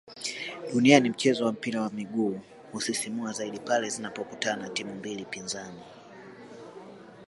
duniani mchezo wa mpira wa miguu hunasisimua zaidi pale zinapokutana timu mbili pinzani